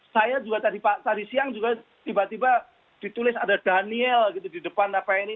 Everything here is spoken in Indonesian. saya juga tadi siang juga tiba tiba ditulis ada daniel gitu di depan apa ini